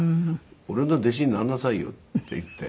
「俺の弟子になりなさいよ」って言って。